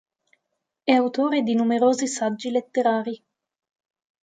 È autore di numerosi saggi letterari.